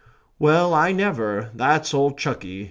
"Well, I never. That's old Chucky.